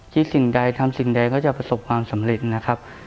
สิ่งใดทำสิ่งใดก็จะประสบความสำเร็จนะครับ